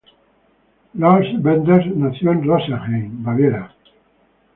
Lars Bender nació en Rosenheim, Baviera.